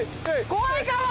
怖いかも！